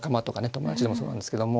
友達でもそうなんですけども。